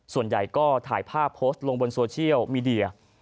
ส่วนใหญ่ก็ถ่ายภาพโพสต์ลงบนโซเชียลมีเดีย